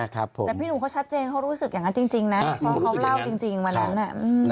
แต่พี่หนุ่มเขาชัดเจนเขารู้สึกอย่างนั้นจริงนะเพราะเขาเล่าจริงวันนั้นน่ะ